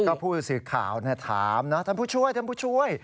ก็ผู้สื่อข่าวถามนะท่านผู้ช่วยท่านผู้ช่วย